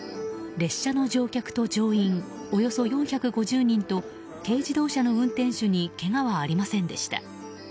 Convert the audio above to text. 列車の乗客と乗員およそ４５０人と軽自動車の運転手にけがはありませんでした。